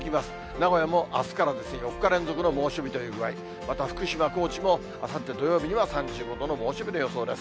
名古屋もあすから４日連続の猛暑日という、また福島、高知もあさって土曜日には３５度の猛暑日の予想です。